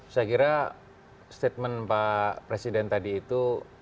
saya kira statement pak presiden tadi itu